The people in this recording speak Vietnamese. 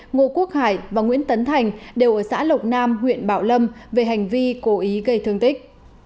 ngô quốc hải và nguyễn tấn thành đều ở xã lộc nam huyện bảo lâm về hành vi cố ý gây thương tích